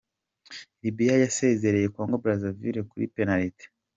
Libya yasezereye Congo Brazzaville kuri penaliti